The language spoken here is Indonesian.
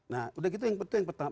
nah udah gitu yang pertama